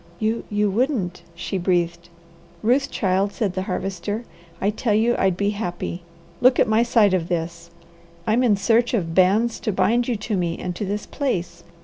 "You you wouldn't!" she breathed. "Ruth, child," said the Harvester, "I tell you I'd be happy. Look at my side of this! I'm in search of bands to bind you to me and to this place.